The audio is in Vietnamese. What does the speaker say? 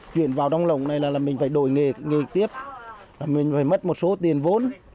chuyển vào trong lồng này là mình phải đổi nghề tiếp mình phải mất một số tiền vốn